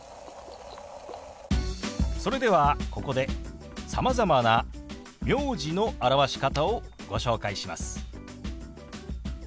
それではここでさまざまな名字の表し方をご紹介します。